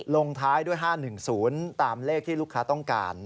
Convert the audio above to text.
ลงท้ายด้วย๕๑๐ตามเลขที่ลูกค้าต้องการ